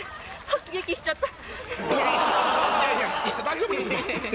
突撃しちゃった